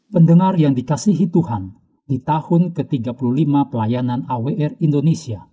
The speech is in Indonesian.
pendengar yang dikasihi tuhan di tahun ke tiga puluh lima pelayanan awr indonesia